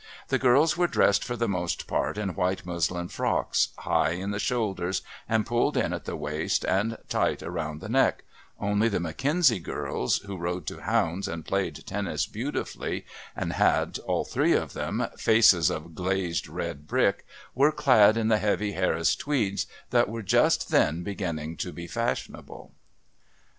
The girls were dressed for the most part in white muslin frocks, high in the shoulders and pulled in at the waist and tight round the neck only the McKenzie girls, who rode to hounds and played tennis beautifully and had, all three of them, faces of glazed red brick, were clad in the heavy Harris tweeds that were just then beginning to be so fashionable.